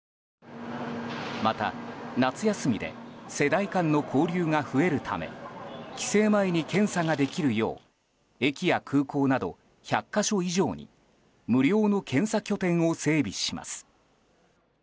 また、夏休みで世代間の交流が増えるため帰省前に検査ができるよう駅や空港など１００か所以上に無料の検査拠点を整備します。